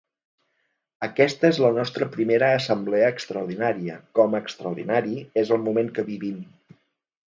Aquesta és la nostra primera assemblea extraordinària, com extraordinari és el moment que vivim.